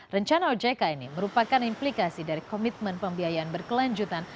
rencana ojk ini merupakan implikasi dari komitmen pembiayaan berkelanjutan